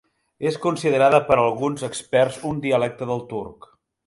És considerada per alguns experts un dialecte del turc.